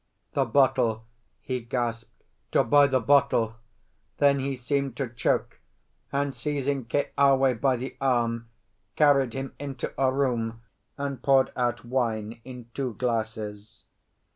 "The bottle!" he gasped. "To buy the bottle!" Then he seemed to choke, and seizing Keawe by the arm carried him into a room and poured out wine in two glasses.